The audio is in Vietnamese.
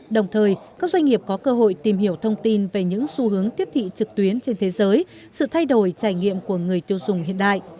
đồng thời các doanh nghiệp có cơ hội tìm hiểu thông tin về những xu hướng tiếp thị trực tuyến trên thế giới sự thay đổi trải nghiệm của người tiêu dùng hiện đại